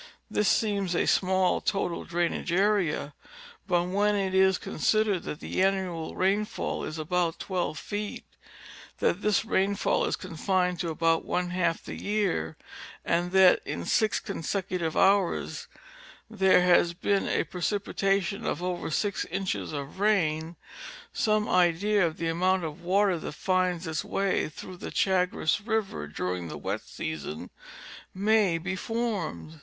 This seems a small total drainage area, but when it is considered that the annual rainfall is about 12 peet,^ that this rainfall is confined to about one half the year, and that in six consecutive hours there has been a precipitation of over six inches of rain, some idea of the amount of water that finds its way through the Chagres river during the wet season may be formed.